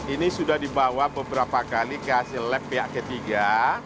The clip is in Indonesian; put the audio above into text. ini sudah dibawa beberapa kali ke hasil lab pihak ketiga